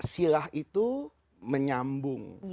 silah itu menyambung